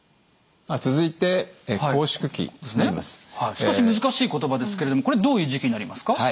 少し難しい言葉ですけれどもこれどういう時期になりますか？